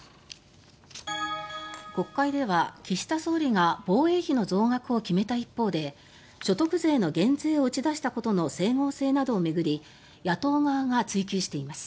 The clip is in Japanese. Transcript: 国会では岸田総理が防衛費の増額を決めた一方で所得税の減税を打ち出したことの整合性などを巡り野党側が追及しています。